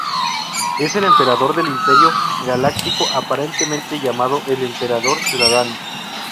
Es el Emperador del Imperio Galáctico, aparentemente llamado "el emperador ciudadano".